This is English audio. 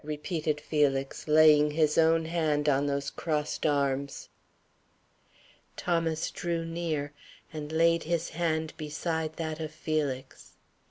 repeated Felix, laying his own hand on those crossed arms. Thomas drew near, and laid his hand beside that of Felix.